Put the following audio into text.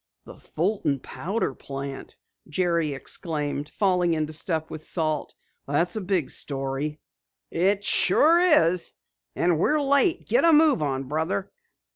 "The Fulton Powder Plant!" Jerry exclaimed, falling into step with Salt. "That's a big story!" "It sure is, and we're late! Get a move on, brother."